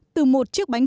h vị bại